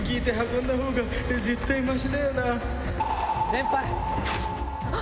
先輩！